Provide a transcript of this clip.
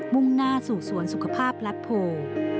มุ่งหน้าสู่สวรรคสุขภาพรัดโผล่